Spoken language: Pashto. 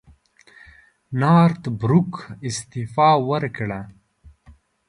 نارت بروک استعفی وکړه.